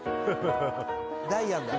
ダイアンだ